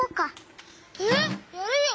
えっやるよ！